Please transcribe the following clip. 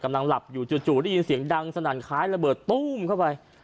กำลังหลับอยู่จู่ได้ยินเสียงดังสนั่นคล้ายระเบิดตู้มเข้าไป